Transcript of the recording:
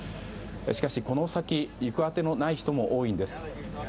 しかし、この先行く当てのない人も多いんです。